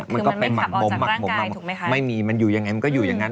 คือมันไม่ขับออกจากร่างกายถูกไหมคะมันก็ไปหมดมมไม่มีมันอยู่อย่างไรมันก็อยู่อย่างนั้น